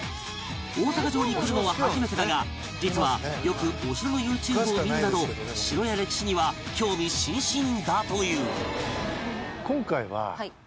大阪城に来るのは初めてだが実はよくお城の ＹｏｕＴｕｂｅ を見るなど城や歴史には興味津々だという